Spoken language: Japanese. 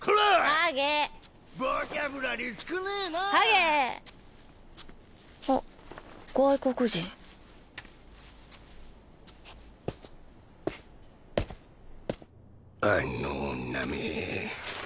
ハゲ・ボキャブラリー少ねえなあハゲーあっ外国人あの女め